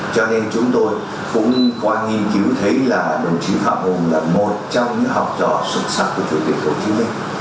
cho nên chúng tôi cũng qua nghiên cứu thấy là đồng chí phạm hùng là một trong những học trò xuất sắc của chủ tịch hồ chí minh